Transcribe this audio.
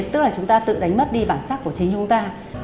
tức là chúng ta tự đánh mất đi bản sắc của chính chúng ta